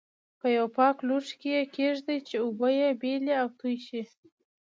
په یوه پاک لوښي کې یې کېږدئ چې اوبه یې بېلې او توی شي.